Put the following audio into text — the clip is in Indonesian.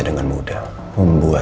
dengan ketakutan drivers it